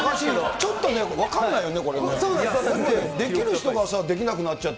ちょっとおかしいよね。